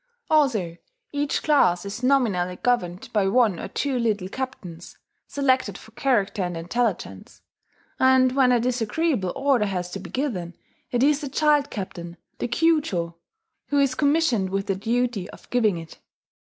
Also each class is nominally governed by one or two little captains, selected for character and intelligence; and when a disagreeable order has to be given, it is the child captain, the kyucho, who is commissioned with the duty of giving it.